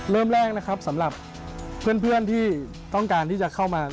เริ่มแรกนะครับสำหรับเพื่อนที่ต้องการที่จะเข้ามา